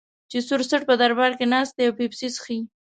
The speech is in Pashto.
چې سور څټ په دربار کې ناست دی او پیپسي څښي.